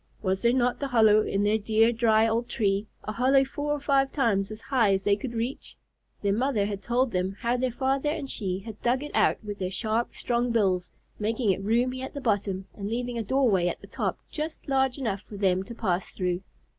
Was there not the hollow in their dear, dry old tree, a hollow four or five times as high as they could reach? Their mother had told them how their father and she had dug it out with their sharp, strong bills, making it roomy at the bottom, and leaving a doorway at the top just large enough for them to pass through.